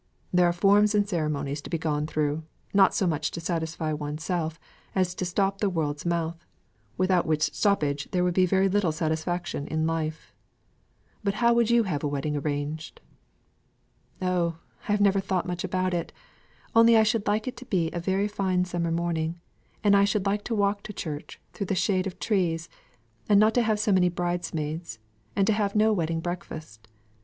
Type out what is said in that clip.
"There are forms and ceremonies to be gone through, not so much to satisfy oneself, as to stop the world's mouth, without which stoppage there would be very little satisfaction in life. But how would you have a wedding arranged?" "Oh, I have never thought much about it; only I should like it to be a very fine summer morning; and I should like to walk to church through the shade of trees; and not to have so many bridesmaids, and to have no wedding breakfast.